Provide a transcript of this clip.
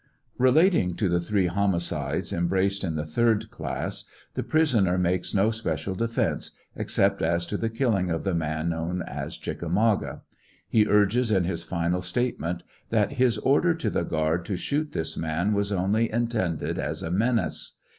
Relating to the three homicides embraced in the third class, the prisoner makes no special defence, except as to the killing of the man known as Ohick amauga. He urges in his final statement, that his order to the guard to shoot this man was only intended as a menace.